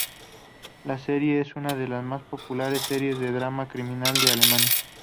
La serie es una de las más populares series de drama criminal de Alemania.